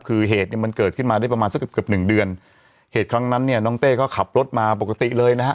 คือเหตุเนี่ยมันเกิดขึ้นมาได้ประมาณสักเกือบเกือบหนึ่งเดือนเหตุครั้งนั้นเนี่ยน้องเต้ก็ขับรถมาปกติเลยนะฮะ